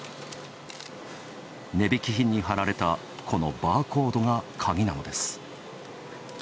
値引き品に貼られたこのバーコードがカギなのです。